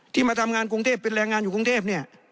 ที่มาทำงานกรุงเทพฯเป็นแรงงานอยู่กรุงเทพฯ